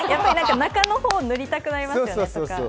中の方を塗りたくなりますよね。